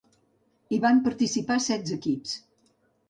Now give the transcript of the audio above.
Hi van participar setze equips.